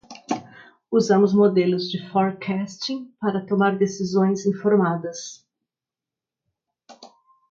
Usamos modelos de forecasting para tomar decisões informadas.